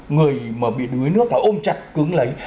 người mà bị đuối nước là ôm chặt cứng lấy